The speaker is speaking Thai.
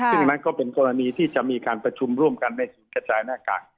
ซึ่งอันนั้นก็เป็นกรณีที่จะมีการประชุมร่วมกันในศูนย์กระจายหน้ากาก